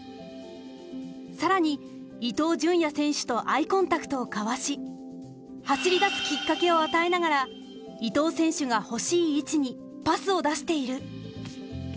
更に伊東純也選手とアイコンタクトを交わし走り出すきっかけを与えながら伊東選手が欲しい位置にパスを出している。